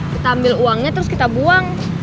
kita ambil uangnya terus kita buang